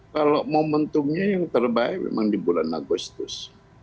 kalau momentumnya yang terbaik memang di bulan agustus